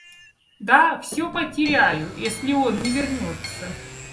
Да, всё потеряю, если он не вернется.